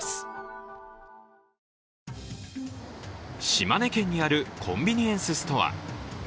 島根県にあるコンビニエンスストア。